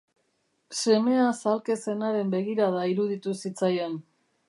Semeaz ahalke zenaren begirada iruditu zitzaion.